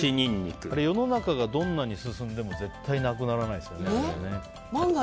世の中がどんなに進んでも絶対なくならないですよね。